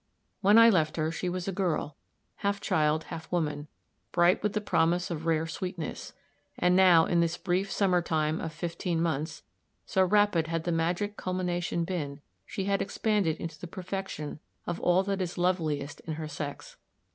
When I left her she was a girl, half child, half woman, bright with the promise of rare sweetness; and now, in this brief summer time of fifteen months so rapid had the magic culmination been she had expanded into the perfection of all that is loveliest in her sex.